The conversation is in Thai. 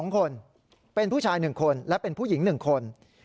๒คนเป็นผู้ชาย๑คนและเป็นผู้หญิง๑คน